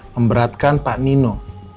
memberatkan pak nino